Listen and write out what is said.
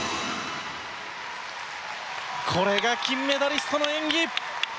これが金メダリストの演技。